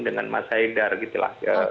dengan mas haidar gitu lah